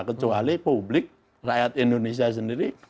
kecuali publik rakyat indonesia sendiri